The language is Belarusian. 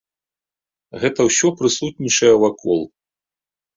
Гэта ўсё прысутнічае вакол.